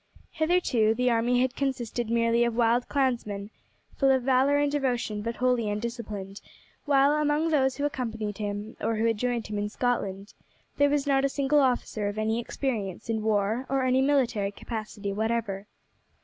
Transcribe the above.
Hitherto the army had consisted merely of wild clansmen, full of valour and devotion but wholly undisciplined; while among those who accompanied him, or who had joined him in Scotland, there was not a single officer of any experience in war or any military capacity whatever.